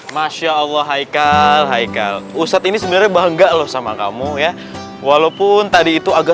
masya allah haikal haikal ustadz ini sebenarnya bangga loh sama kamu ya walaupun tadi itu agak